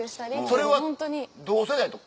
それは同世代と？